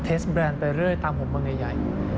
เทสต์แบรนด์ไปเรื่อยตามผมมันใหญ่